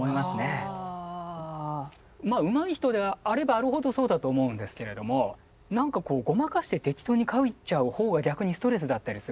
まあうまい人であればあるほどそうだと思うんですけれどもなんかごまかして適当に描いちゃう方が逆にストレスだったりすると思うので。